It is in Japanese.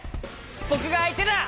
ぼくがあいてだ！